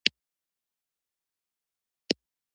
دا کار د مرګ جدي خطر درلود.